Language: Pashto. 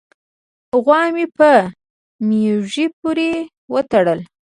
غوا مې په مږوي پورې و تړله